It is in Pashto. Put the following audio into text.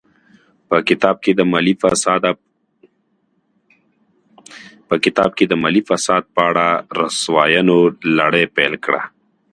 په کتاب کې د مالي فساد په اړه رسواینو لړۍ پیل کړه.